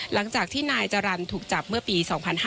หลังจากที่นายจรรย์ถูกจับเมื่อปี๒๕๕๙